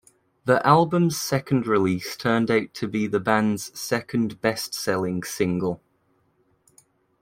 The album's second release turned out to be the band's second best-selling single.